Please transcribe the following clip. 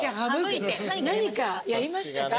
「何かやりましたか？」